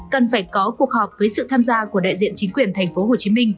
cần phải có cuộc họp với sự tham gia của đại diện chính quyền tp hcm